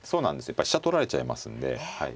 やっぱ飛車取られちゃいますんで。